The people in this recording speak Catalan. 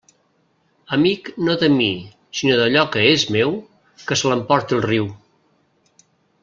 Amic no de mi sinó d'allò que és meu, que se l'emporte el riu.